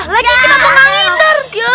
lalu kita menganggur